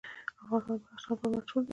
افغانستان د بدخشان لپاره مشهور دی.